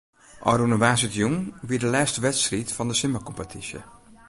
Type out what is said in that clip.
Ofrûne woansdeitejûn wie de lêste wedstriid fan de simmerkompetysje.